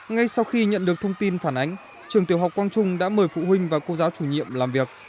ngay sau khi nhận được thông tin phản ánh trường tiểu học quang trung đã mời phụ huynh và cô giáo chủ nhiệm làm việc